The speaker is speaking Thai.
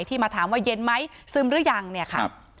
มาถามว่าเย็นไหมซึมหรือยังเนี่ยค่ะ